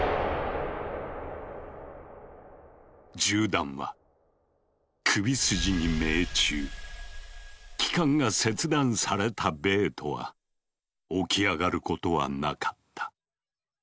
銃弾は気管が切断されたベートは起き上がることはなかった。